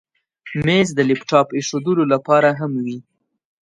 مېز د لپټاپ ایښودلو لپاره هم وي.